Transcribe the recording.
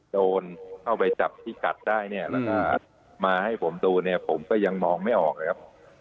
โดนเข้าไปจับที่กัดได้เนี่ยแล้วก็มาให้ผมดูเนี่ยผมก็ยังมองไม่ออกเลยครับ